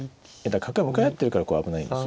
角が向かい合ってるから危ないんですよ。